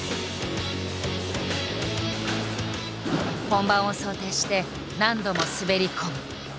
本番を想定して何度も滑り込む。